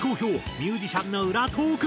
ミュージシャンの裏トーク。